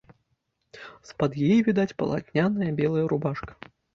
З-пад яе відаць палатняная белая рубашка.